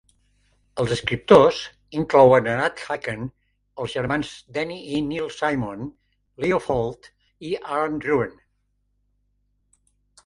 Els escriptors inclouen a Nat Hiken, els germans Danny i Neil Simon, Leo Fuld i Aaron Ruben.